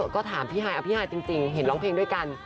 ก็ถามพี่ฮายอพี่ฮายจริงเห็นร้องเพลงด้วยกัน